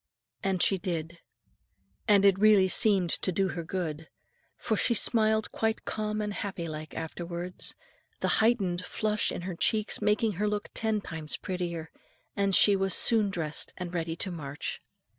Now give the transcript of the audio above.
And she did. And it really seemed to do her good; for she smiled quite calm and happy like afterwards the heightened flush in her cheeks making her look ten times prettier; and she was soon dressed and ready to march.